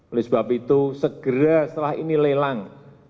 oleh sebab itu segera setelah ini lelang